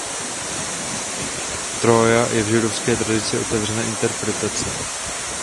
Tóra je v židovské tradici otevřena interpretaci.